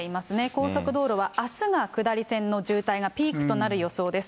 高速道路はあすが下り線の渋滞がピークとなる予想です。